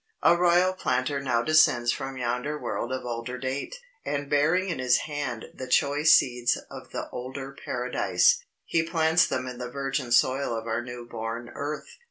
A Royal Planter now descends from yonder world of older date, and bearing in his hand the choice seeds of the older Paradise, he plants them in the virgin soil of our new born earth.